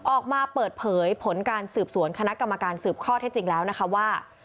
ออกมาเปิดเผยผลการสืบสวนคณะกรรมการสืบข้อเท็จจริงแล้วนะคะว่า